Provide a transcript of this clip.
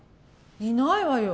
いないわよ。